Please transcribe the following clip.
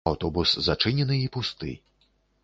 Аўтобус зачынены і пусты.